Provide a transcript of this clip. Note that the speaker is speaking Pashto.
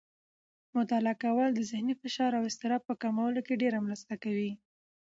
مطالعه کول د ذهني فشار او اضطراب په کمولو کې ډېره مرسته کوي.